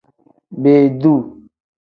Beeduu.